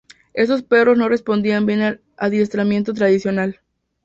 Estos perros no responden bien al adiestramiento tradicional.